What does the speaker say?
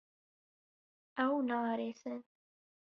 Ew naarêsin.